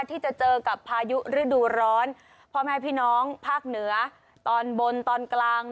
ที่จะเจอกับพายุฤดูร้อนพ่อแม่พี่น้องภาคเหนือตอนบนตอนกลาง